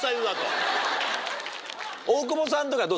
大久保さんとかどう？